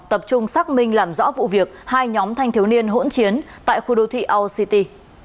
tập trung xác minh làm rõ vụ việc hai nhóm thanh thiếu niên hỗn chiến tại khu đô thị our city